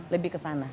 lebih ke sana